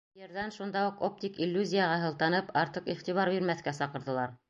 Ерҙән, шунда уҡ оптик иллюзияға һылтанып, артыҡ иғтибар бирмәҫкә саҡырҙылар.